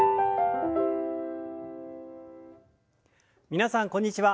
皆さんこんにちは。